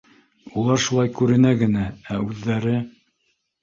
— Улар шулай күренә генә, ә үҙҙәре.